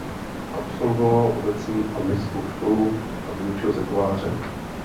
Absolvoval obecní a měšťanskou školu a vyučil se kovářem.